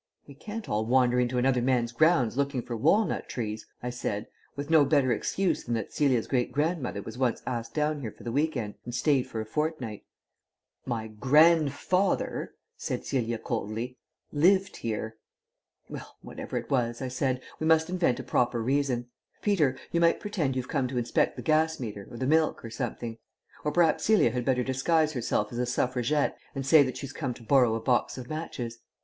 "We can't all wander into another man's grounds looking for walnut trees," I said, "with no better excuse than that Celia's great grandmother was once asked down here for the week end and stayed for a fortnight. We " "My grandfather," said Celia coldly, "lived here." "Well, whatever it was," I said, "we must invent a proper reason. Peter, you might pretend you've come to inspect the gas meter or the milk or something. Or perhaps Celia had better disguise herself as a Suffragette and say that she's come to borrow a box of matches.